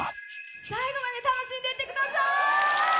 最後まで楽しんでってください！